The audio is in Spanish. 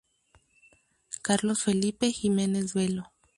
Carlos Filipe Ximenes Belo.